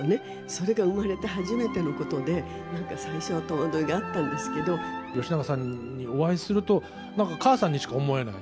それが生まれて初めてのことで、なんか最初は戸惑いがあったんで吉永さんにお会いすると、なんか、母さんにしか思えない。